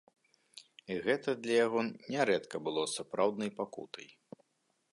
І гэта для яго нярэдка было сапраўднай пакутай!